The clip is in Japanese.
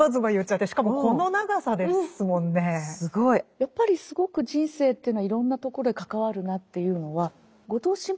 やっぱりすごく人生というのはいろんなとこで関わるなっていうのは後藤新平